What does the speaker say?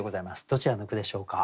どちらの句でしょうか。